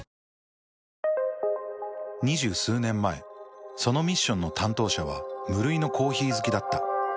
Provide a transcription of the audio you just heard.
２０数年前そのミッションの担当者は無類のコーヒー好きだった。